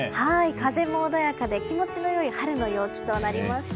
風も穏やかで気持ちの良い春の陽気となりました。